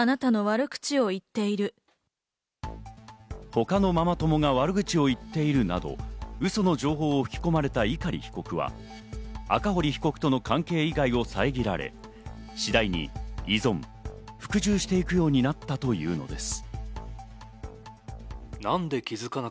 他のママ友が悪口を言っているなどウソの情報を吹き込まれた碇被告は赤堀被告との関係以外を遮られ、次第に依存・服従していくようになったというのです。